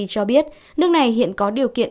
cho biết nước này hiện có điều kiện